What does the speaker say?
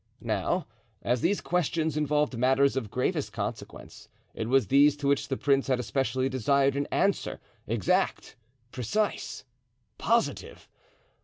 Now, as these questions involved matters of gravest consequence, it was these to which the prince had especially desired an answer, exact, precise, positive.